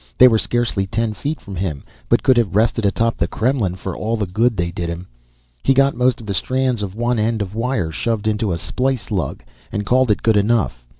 They were scarcely ten feet from him, but could have rested atop the Kremlin for all the good they did him. He got most of the strands of one end of wire shoved into a splice lug, and called it good enough.